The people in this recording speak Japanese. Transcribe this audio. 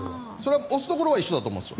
押すところは一緒だと思います。